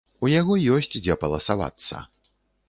У яго ёсць дзе паласавацца.